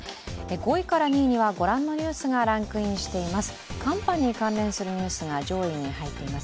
５位から２位にはご覧のニュースがランクインしています。